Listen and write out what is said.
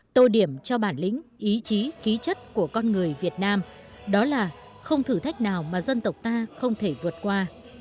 tô điểm cho bản lĩnh ý chí khí chất của con người việt nam đó là không thử thách nào mà dân tộc ta không thể vượt qua